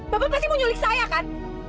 bapak pasti mau nyulik saya kan